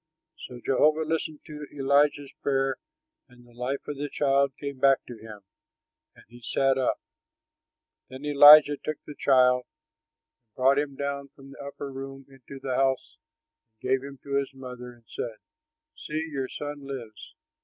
So Jehovah listened to Elijah's prayer; and the life of the child came back to him, and he sat up. Then Elijah took the child and brought him down from the upper room into the house and gave him to his mother; and said, "See, your son lives!"